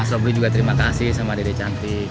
asobri juga terima kasih sama dedek cantik